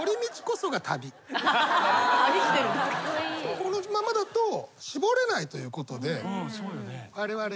このままだと絞れないということで。